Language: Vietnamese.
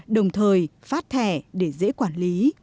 đồng thời phát thẻ để dễ quản lý